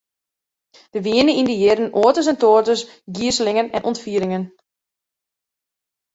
Der wiene yn dy jierren oates en toates gizelingen en ûntfieringen.